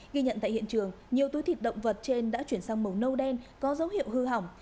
ghi nhận tại hiện trường nhiều túi thịt động vật trên đã chuyển sang màu nâu đen có dấu hiệu hư hỏng